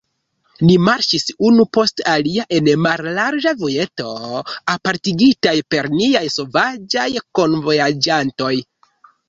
Ni marŝis unu post alia en mallarĝa vojeto, apartigitaj per niaj sovaĝaj kunvojaĝantoj.